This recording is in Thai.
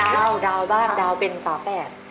เล่าดาวบ้างดาวเป็นฝาแฝด